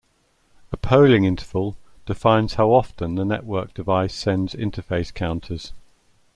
A polling interval defines how often the network device sends interface counters.